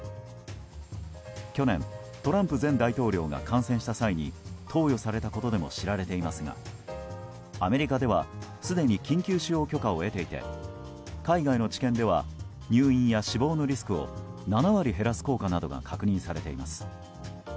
去年、トランプ前大統領が感染した際に投与されたことでも知られていますがアメリカではすでに緊急使用許可を得ていて海外の治験では入院や死亡のリスクを７割減らす効果などが確認されています。